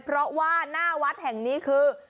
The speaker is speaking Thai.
เพราะว่าหน้าวัดแห่งนี้คือ